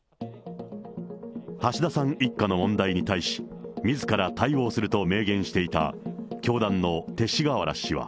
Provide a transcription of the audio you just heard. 橋田さん一家の問題に対し、みずから対応すると明言していた教団の勅使河原氏は。